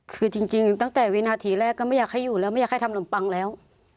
คือจริงตั้งแต่วินาทีแรกก็ไม่อยากให้อยู่แล้วไม่อยากให้ทำนมปังแล้ว